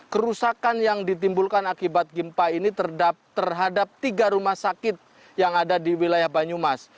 kerusakan yang ditimbulkan akibat gempa ini terhadap tiga rumah sakit yang ada di wilayah banyumas